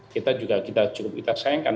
kita juga cukup kita sayangkan